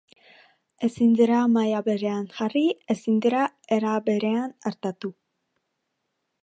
Ezin dira maila berean jarri, ezin dira era berean artatu.